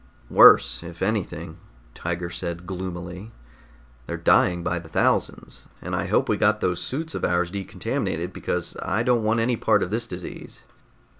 "Worse, if anything," Tiger said gloomily. "They're dying by the thousands, and I hope we got those suits of ours decontaminated, because I don't want any part of this disease."